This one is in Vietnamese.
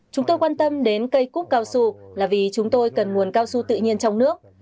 chúng tôi quan tâm đến cây cúc cao su là vì chúng tôi cần nguồn cao su tự nhiên trong nước